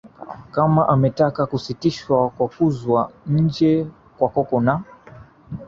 ama ametaka kusitishwa kwa kuzwa nje kwa cocoa na